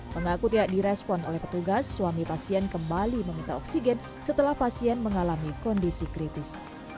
mengaku tidak direspon oleh petugas suami pasien kembali meminta oksigen setelah pasien mengalami kondisi kritis